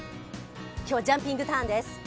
今日はジャンピングターンです。